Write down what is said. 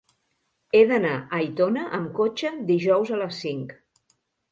He d'anar a Aitona amb cotxe dijous a les cinc.